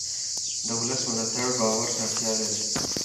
د ولس ملاتړ باور ته اړتیا لري